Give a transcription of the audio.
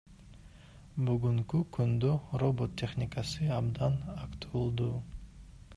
Бүгүнкү күндө робот техникасы абдан актуалдуу.